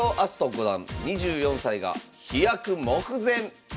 五段２４歳が飛躍目前！